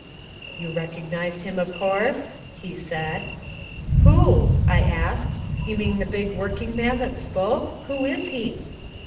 "You recognized him, of course?" he said. "Who?" I asked. "You mean the big working man that spoke? Who is he?"